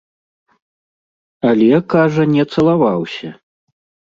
Але, кажа, не цалаваўся.